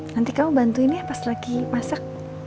nanti kamu bantuin ya pas lagi masak